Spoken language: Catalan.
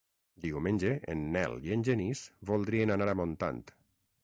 Diumenge en Nel i en Genís voldrien anar a Montant.